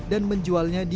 dan menjualnya di media